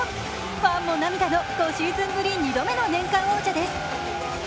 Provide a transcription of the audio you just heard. ファンも涙の５年ぶり２度目の年間王者です。